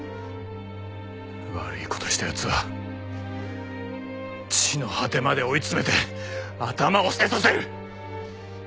悪い事した奴は地の果てまで追い詰めて頭を下げさせる！